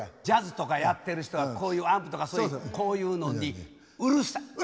ジャズとかやってる人はこういうアンプとかこういうのにうるさい。